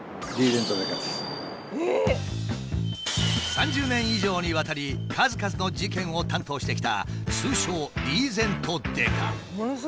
３０年以上にわたり数々の事件を担当してきた通称リーゼント刑事。